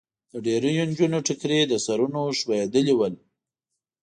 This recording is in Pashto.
د ډېریو نجونو ټیکري له سرونو خوېدلي ول.